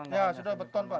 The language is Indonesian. ya sudah beton pak